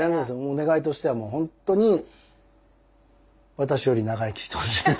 お願いとしてはもう本当に私より長生きしてほしいです。